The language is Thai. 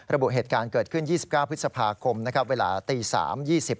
ระบุเหตุการณ์เกิดขึ้น๒๙พฤษภาคมเวลา๓๒๐น